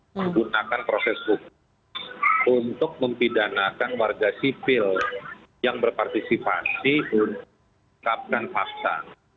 menggunakan proses hukum untuk mempidanakan warga sipil yang berpartisipasi untuk kapkan paksa